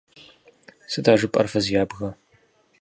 Сыт а жыпӀэр, фыз ябгэ?!